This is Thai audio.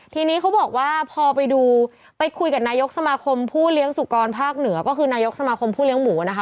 ทีนี้เขาบอกว่าพอไปดูไปคุยกับนายกสมาคมผู้เลี้ยงสุกรภาคเหนือก็คือนายกสมาคมผู้เลี้ยหมูนะคะ